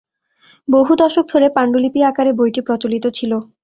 বহু দশক ধরে পাণ্ডুলিপি আকারে বইটি প্রচলিত ছিল।